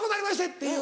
っていう。